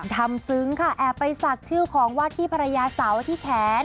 ทำซึ้งค่ะแอบไปสักชื่อของวาดที่ภรรยาสาวที่แขน